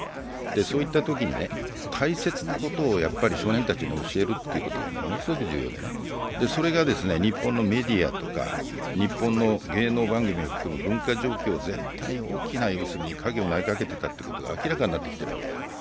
そういったときに大切なことを少年たちに教えることがものすごく重要で、それが日本のメディアとか日本の芸能番組を含む文化状況を含め大きな影を投げかけてきたことは明らかになってるんですよ。